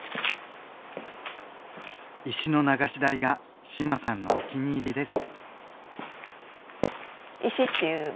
石の流し台が志麻さんのお気に入りです。